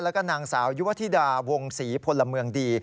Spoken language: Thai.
แล้วก็นางสาวยุวธิดาวงศรีพลเมืองดี